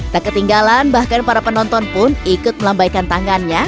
tak ketinggalan bahkan para penonton pun ikut melambaikan tangannya